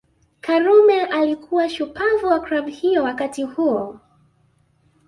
Karume alikuwa shupavu wa Klabu hiyo wakati huo